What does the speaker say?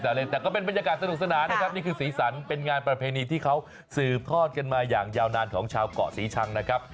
แต่ก็เป็นบรรยากาศสนุกสนานนะครับนี่คือสีสันเป็นงานประเพณีที่เขาสืบทอดกันมาอย่างยาวนานของชาวเกาะศรีชังนะครับ